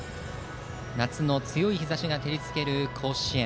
夏の強い日ざしが照り付ける甲子園。